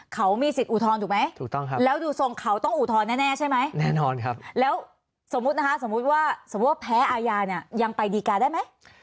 เขามีสิทธิ์อุทธรณ์ถูกไหมแล้วดูทรงเขาต้องอุทธรณ์แน่ใช่ไหมแล้วสมมุติว่าแพ้อาญายังไปดีการ์ได้ไหม